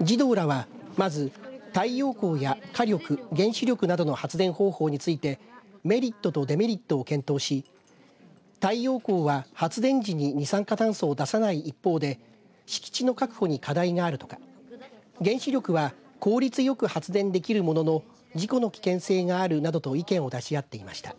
児童らはまず、太陽光や火力原子力などの発電方法についてメリットとデメリットを検討し太陽光は発電時に二酸化炭素を出さない一方で敷地の確保に課題があるとか原子力は効率よく発電できるものの事故の危険性があるなどと意見を出し合っていました。